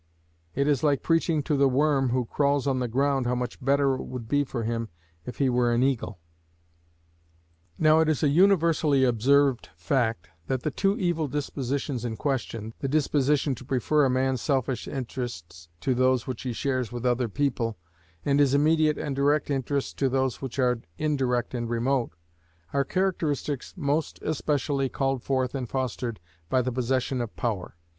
It is like preaching to the worm who crawls on the ground how much better it would be for him if he were an eagle. Now it is a universally observed fact that the two evil dispositions in question, the disposition to prefer a man's selfish interests to those which he shares with other people, and his immediate and direct interests to those which are indirect and remote, are characteristics most especially called forth and fostered by the possession of power.